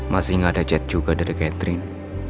masih gak ada jet juga dari catherine